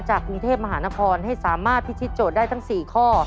กรุงเทพมหานครให้สามารถพิธีโจทย์ได้ทั้ง๔ข้อ